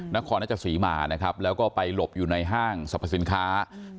นครนักศึกษีมาแล้วก็ไปหลบอยู่ในห้างสรรพสินค้า